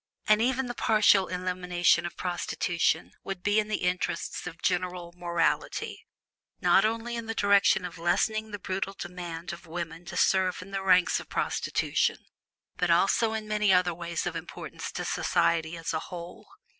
And even the partial elimination of prostitution would be in the interests of general morality, not only in the direction of lessening the brutal demand of women to serve in the ranks of prostitution, but also in many other ways of importance to society as a whole.